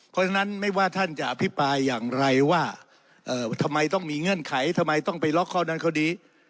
เพราะฉะนั้นไม่ว่าท่านจะอภิปรายอย่างไรว่าทำไมต้องมีเงื่อนไขทำไมต้องไปล็อกข้อนั้นข้อนี้